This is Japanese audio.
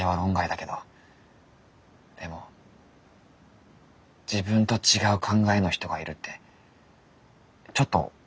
でも自分と違う考えの人がいるってちょっとほっとする。